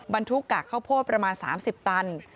บรรทุกกากข้าวโพดประมาณ๓๐ตัน